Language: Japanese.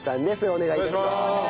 お願い致します。